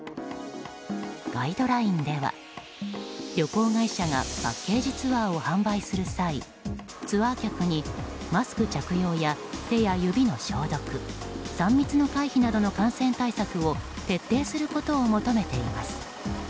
ガイドラインでは旅行会社がパッケージツアーを販売する際ツアー客にマスク着用や手や指の消毒３密の回避などの感染対策を徹底することを求めています。